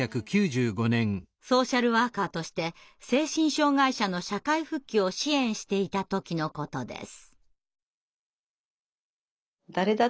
ソーシャルワーカーとして精神障害者の社会復帰を支援していた時のことです。